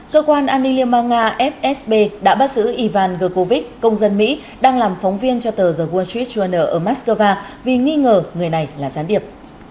cơ quan anilima nga fsb đã bắt giữ ivan gokovic công dân mỹ đang làm phóng viên cho tờ the wall street journal ở moscow vì nghi ngờ người này là gián điệp